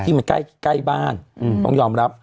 มันใกล้บ้านต้องยอมรับ